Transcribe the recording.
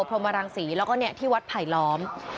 พลมารังศรีแล้วก็เนี่ยที่วัดไผลล้อม